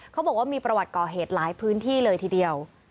เขาบอกว่ามีประวัติก่อเหตุหลายพื้นที่เลยทีเดียว